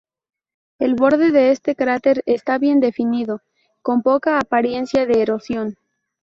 El borde de este cráter está bien definido, con poca apariencia de erosión.